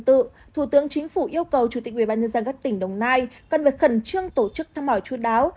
thủ tướng chính phủ yêu cầu chủ tịch ubnd các tỉnh đồng nai cần phải khẩn trương tổ chức thăm hỏi chú đáo